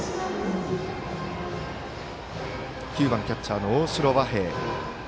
９番キャッチャーの大城和平。